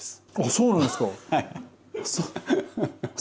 そうなんですね。